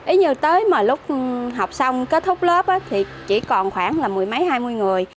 ý như tới mà lúc học xong kết thúc lớp thì chỉ còn khoảng là mười mấy hai mươi người